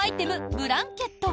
ブランケット。